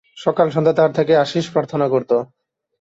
সকাল-সন্ধ্যা তার থেকে আশীষ প্রার্থনা করত।